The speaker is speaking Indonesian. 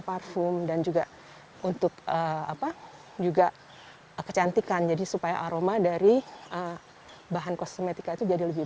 parfum dan juga untuk apa juga kecantikan jadi supaya aroma dari bahan kosmetika itu jadi lebih